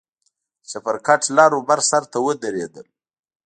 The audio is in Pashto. د چپرکټ لر او بر سر ته ودرېدل.